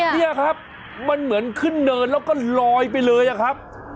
นี่ครับมันเหมือนขึ้นเนินแล้วก็ลอยไปเลยอะครับ